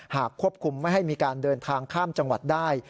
หากควบคุมไม่ให้มีการเดินทางข้ามจังหวัดได้